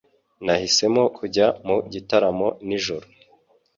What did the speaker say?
Nahisemo kujya mu gitaramo nijoro.